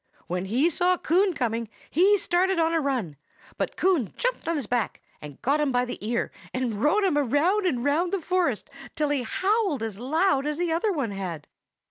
When he saw Coon coming, he started on a run; but Coon jumped on his back and got him by the ear, and then rode him round and round the forest till he howled as loud as the other one had."